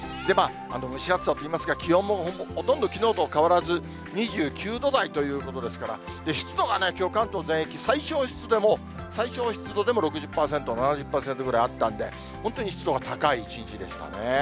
蒸し暑さといいますか、気温もほとんどきのうと変わらず、２９度台ということですから、湿度がね、きょう、関東全域、最少湿度でも６０％、７０％ぐらいあったんで、本当に湿度が高い一日でしたね。